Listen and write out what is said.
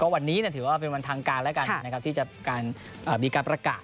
วันนี้ถือว่าเป็นวันทางการที่จะมีการประกาศ